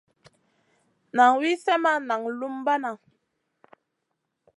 Nan wi slèh ma naŋ lumbana.